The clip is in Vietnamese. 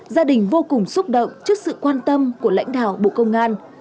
gia đình vô cùng xúc động trước sự quan tâm của lãnh đạo bộ công an